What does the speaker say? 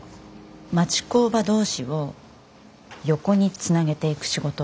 町工場同士を横につなげていく仕事。